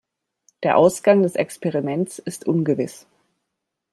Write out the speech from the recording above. Der Ausgang des Experiments ist ungewiss.